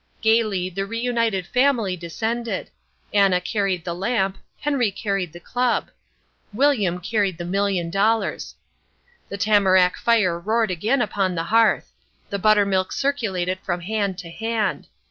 Gaily the reunited family descended. Anna carried the lamp, Henry carried the club. William carried the million dollars. The tamarack fire roared again upon the hearth. The buttermilk circulated from hand to hand.